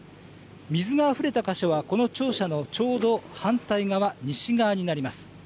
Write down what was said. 水があふれた箇所は、この庁舎のちょうど反対側、西側になります。